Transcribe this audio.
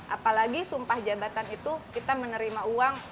apalagi sumpah jabatan itu kita menerima uang